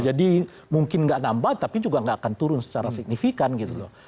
jadi mungkin nggak nambah tapi juga nggak akan turun secara signifikan gitu loh